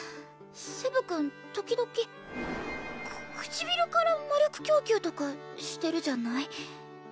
セブ君時々く唇から魔力供給とかしてるじゃない？